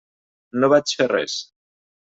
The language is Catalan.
No vaig fer res.